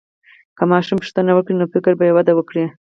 که ماشوم پوښتنه وکړي، نو فکر به وده وکړي.